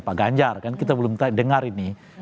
pak ganjar kan kita belum dengar ini